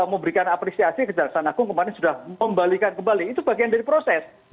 memberikan apresiasi kejaksaan agung kemarin sudah membalikan kembali itu bagian dari proses